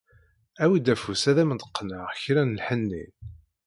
Awi-d afus ad am-d-qqneɣ kra n lḥenni